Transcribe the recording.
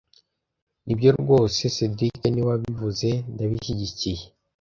Nibyo rwose cedric niwe wabivuzendabishyigikiyye